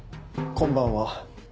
こんばんは。